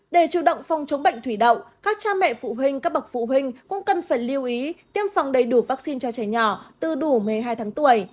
để chủ động phòng chống bệnh thủy đậu các cha mẹ phụ huynh các bậc phụ huynh cũng cần phải lưu ý tiêm phòng đầy đủ vaccine cho trẻ nhỏ từ đủ một mươi hai tháng tuổi